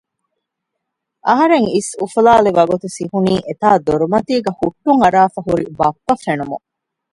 އަހަރެން އިސް އުފުލާލިވަގުތު ސިހުނީ އެތާ ދޮރުމަތީގައި ހުއްޓުން އަރާފައި ހުރި ބައްޕަ ފެނުމުން